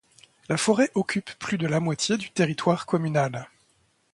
La forêt occupe plus de la moitié du territoire communal.